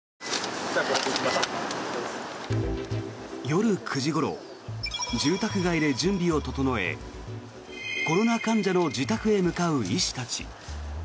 夜９時ごろ住宅街で準備を整えコロナ患者の自宅へ向かう医師たち。